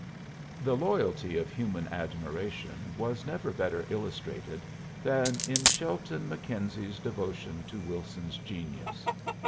The loyalty of human admiration was never better illustrated than in Shelton Mackenzie's devotion to Wilson's genius.